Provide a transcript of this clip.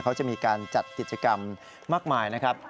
เขาจะมีการจัดกิจกรรมมากมายนะครับ